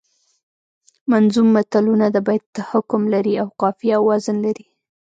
منظوم متلونه د بیت حکم لري او قافیه او وزن لري